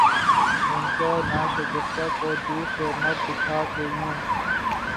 غنچۂ ناشگفتہ کو دور سے مت دکھا کہ یوں